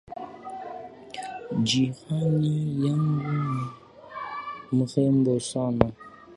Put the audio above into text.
Jirani yangu ni mrembo sana.